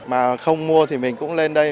mà không mua thì mình cũng lên đây